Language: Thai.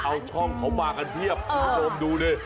เอาบ้านเอาช่องเขามากันเทียบชมดูดิ